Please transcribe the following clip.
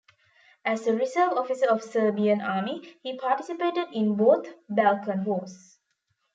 As a reserve officer of Serbian army he participated in both Balkan Wars.